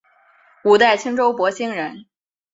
五代青州博兴人。